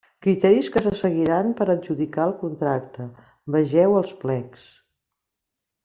Criteris que se seguiran per a adjudicar el contracte: vegeu els plecs.